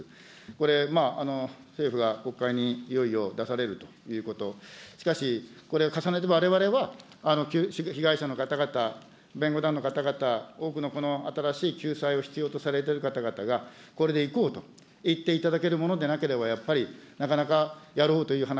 これ、政府が国会にいよいよ出されるということ、しかし、これ、重ねてわれわれは、被害者の方々、弁護団の方々、多くのこの新しい救済を必要とされている方々がこれでいこうと言っていただけるものでなければ、やっぱりなかなかやろうという話